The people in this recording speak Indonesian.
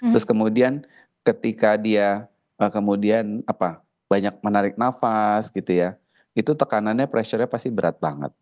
terus kemudian ketika dia kemudian banyak menarik nafas gitu ya itu tekanannya pressure nya pasti berat banget